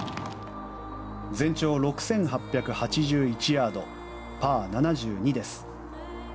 全長６８８１ヤードパー７２です。